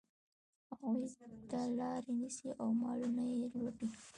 هغوی ته لاري نیسي او مالونه یې لوټي.